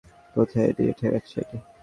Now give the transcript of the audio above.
তবে আপনার মুযার গোত্রকে কোথায় নিয়ে ঠেকাচ্ছেন?